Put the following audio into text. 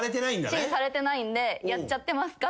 支持されてないんでやっちゃってますか？